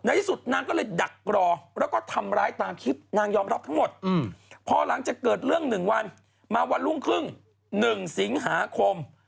ที่สุดนางก็เลยดักรอแล้วก็ทำร้ายตามคลิปนางยอมรับทั้งหมดพอหลังจากเกิดเรื่อง๑วันมาวันรุ่งครึ่ง๑สิงหาคม